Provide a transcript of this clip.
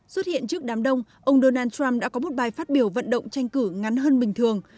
xuất hiện trước đám đông ông donald trump đã có một bài phát biểu vận động tranh cử ngắn hơn bình thường